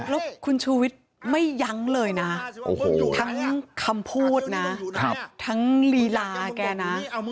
แล้วคุณชูวิทย์ไม่ยั้งเลยนะทั้งคำพูดนะทั้งลีลาแกนะ